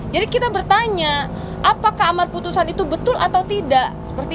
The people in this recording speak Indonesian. jadi kita bertanya apakah amar putusan itu betul atau tidak